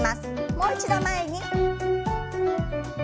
もう一度前に。